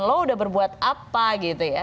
lo udah berbuat apa gitu ya